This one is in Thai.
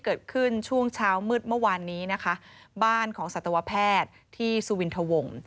เกิดขึ้นช่วงเช้ามืดเมื่อวานนี้นะคะบ้านของสัตวแพทย์ที่สุวินทวง